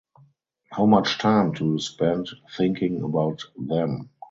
How much time do you spend thinking about them?